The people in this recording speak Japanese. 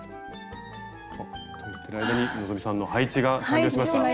あっと言ってる間に希さんの配置が完了しました。